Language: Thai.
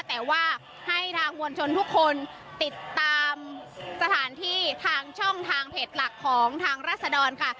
แต่ว่าให้ทางมวลชนทุกคนติดตามสถานที่ทางช่องทางเพจหลักของทางรัศดรค่ะ